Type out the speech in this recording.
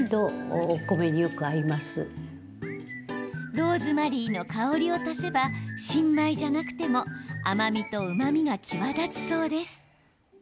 ローズマリーの香りを足せば新米じゃなくても甘みとうまみが際立つそうです。